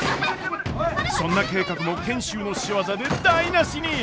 そんな計画も賢秀の仕業で台なしに！